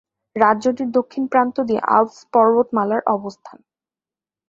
রাজ্যটির দক্ষিণ প্রান্ত দিয়ে আল্পস পর্বতমালার অবস্থান।